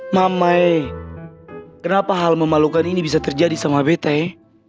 mamai kenapa hal memalukan ini bisa terjadi sama bete